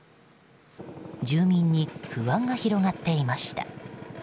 住民に不安が広がっていました。